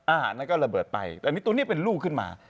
อาหารนั้นก็ระเบิดไปแต่มีตัวนี้เป็นลูกขึ้นมา